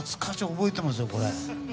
覚えてますよ、これ。